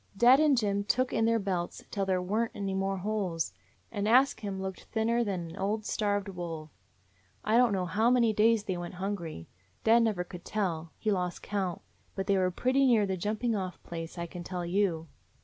Dad and Jim took in their belts till there were n't any more holes, and Ask Him looked thinner than an old starved wolf. I don't know how many days they went hungry. Dad never could tell; he lost count: but they were pretty near the jumping off place, I can tell you."